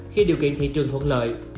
khi điều kiện thị trường thuận lợi